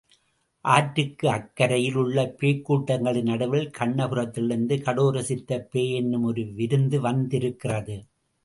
ஆற்றுக்கு அக்கரையில் உள்ள பேய்க் கூட்டங்களின் நடுவில் கண்ணபுரத்திலிருந்து கடோரசித்தப் பேய் எனும் ஒரு விருந்து வந்திருக்கிறது.